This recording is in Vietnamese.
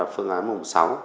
phương án mùng sáu